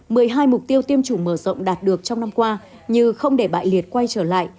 mười hai mục tiêu tiêm chủng mở rộng đạt được trong năm qua như không để bại liệt quay trở lại